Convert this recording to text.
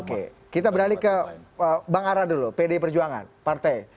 oke kita beralih ke bang ara dulu pdi perjuangan partai